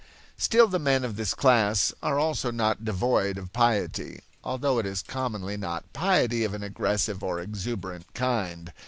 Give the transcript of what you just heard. Still the men of this class are also not devoid of piety, although it is commonly not piety of an aggressive or exuberant kind.